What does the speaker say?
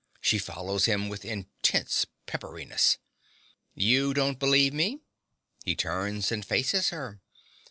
She follows him with intense pepperiness.) You don't believe me? (He turns and faces her.